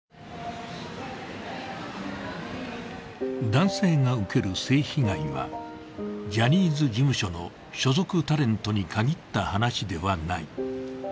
男性が受ける性被害は、ジャニーズ事務所の所属タレントに限った話ではない。